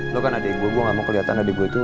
lo kan adik gua gua gak mau keliatan adik gua itu